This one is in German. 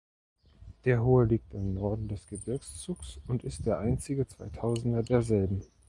Der hohe liegt im Norden des Gebirgszugs und ist der einzige Zweitausender derselben.